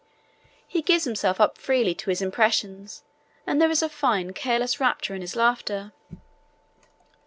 He gives himself up freely to his impressions, and there is a fine, careless rapture in his laughter.